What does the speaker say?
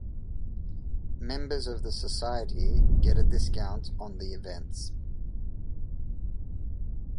Members of the society get a discount on the events.